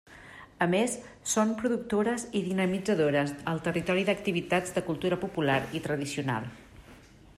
A més, són productores i dinamitzadores al territori d’activitats de cultura popular i tradicional.